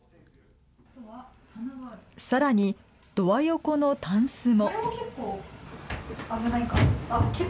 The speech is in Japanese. さらに、ドア横のたんすも。